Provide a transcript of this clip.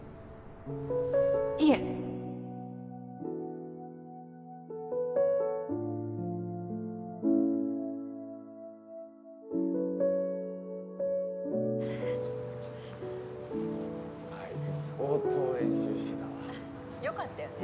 いえあいつ相当練習してたもんな良かったよね